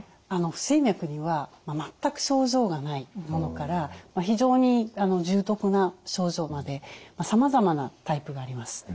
不整脈には全く症状がないものから非常に重篤な症状までさまざまなタイプがあります。